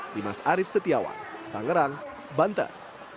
dimas arief setiawan tangerang banten